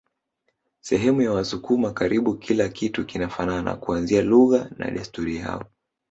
Sehemu ya wasukuma karibu kila kitu kinafanana kuanzia lugha na desturi yao